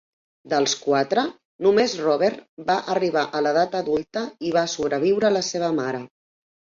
Dels quatre, només Robert va arribar a l'edat adulta i va sobreviure la seva mare.